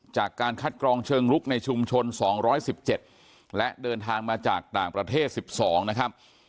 จากการคัดกรองเชิงลุกในชุมชน๒๑๗และเดินทางมาจากต่างประเทศ๑๒นะครับ